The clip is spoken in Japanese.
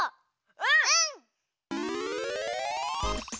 うん！